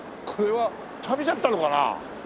これはさびちゃったのかな？